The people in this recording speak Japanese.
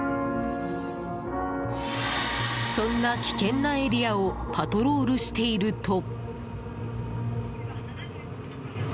そんな危険なエリアをパトロールしていると。